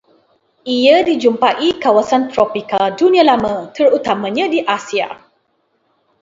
Ia dijumpai kawasan tropika Dunia Lama terutamanya di Asia